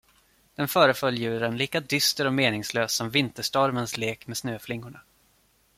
Den föreföll djuren lika dyster och meningslös som vinterstormens lek med snöflingorna.